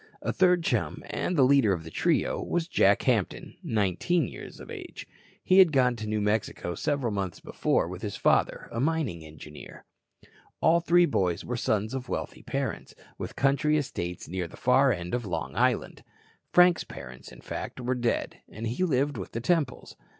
A third chum and the leader of the trio was Jack Hampton, 19 years of age. He had gone to New Mexico several months before with his father, a mining engineer. All three boys were sons of wealthy parents, with country estates near the far end of Long Island. Frank's parents, in fact, were dead, and he lived with the Temples.